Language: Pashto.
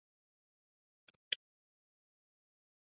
چیني توکي اوس هر کور کې شته.